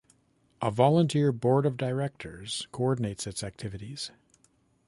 A volunteer Board of Directors coordinates its activities.